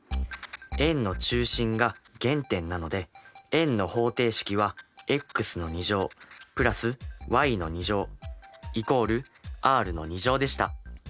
円の中心が原点なので円の方程式はｘ＋ｙ＝ｒでした。